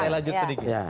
saya lanjut sedikit